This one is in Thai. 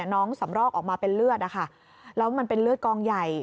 สำรอกออกมาเป็นเลือดนะคะแล้วมันเป็นเลือดกองใหญ่